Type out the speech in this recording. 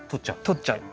とっちゃう。